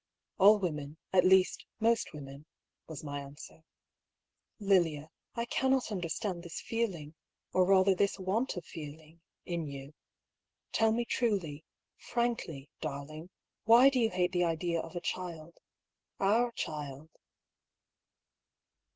" All women, at least most women," was my answer. Lilia, I cannot understand this feeling, or rather this want of feeling, in you. Tell me truly, frankly, darling, why do you hate the idea of a child — our child?"